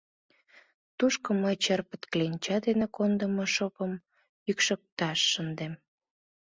Тушко мый черпыт кленча дене кондымо шопым йӱкшыкташ шындем.